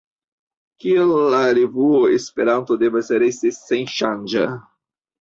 Kial la revuo Esperanto devas resti senŝanĝa?